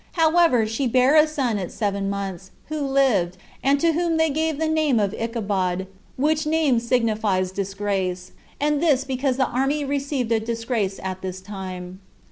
However, she bare a son at seven months, who lived, and to whom they gave the name of Icabod, which name signifies disgrace, and this because the army received a disgrace at this time.